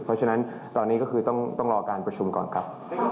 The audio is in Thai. เพราะฉะนั้นตอนนี้ก็คือต้องรอการประชุมก่อนครับ